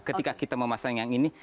ketika kita memasang yang ini